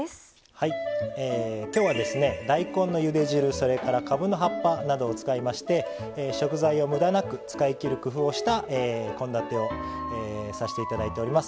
はい今日は大根のゆで汁それからかぶの葉っぱなどを使いまして食材をむだなく使いきる工夫をした献立をさせて頂いております。